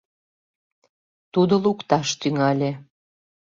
Тудо лукташ тӱҥале.